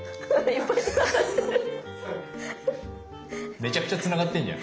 めちゃくちゃつながってんじゃん。